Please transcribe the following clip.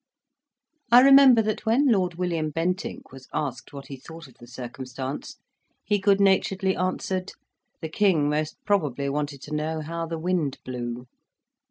I remember that when Lord William Bentinck was asked what he thought of the circumstance, he good naturedly answered, "The King most probably wanted to know how the wind blew."